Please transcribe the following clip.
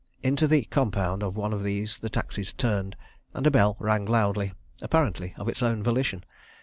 Into the compound of one of these the taxi turned, and a bell rang loudly, apparently of its own volition.